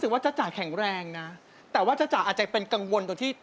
เส้นทางที่เราเจอหนึ่งไป